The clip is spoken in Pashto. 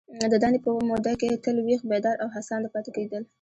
د دندي په موده کي تل ویښ ، بیداره او هڅانده پاته کیدل.